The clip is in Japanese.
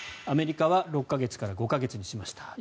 アメリカは６か月から５か月にしました。